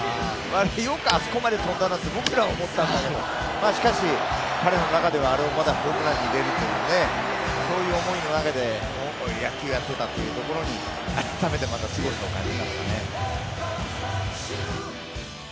よくあそこまで飛んだなと僕らは思ったんだけどしかし、彼の中でもあれをまだホームランに入れるという、そういう思いの中で野球をやっていたというところに改めてすごさを感じましたね。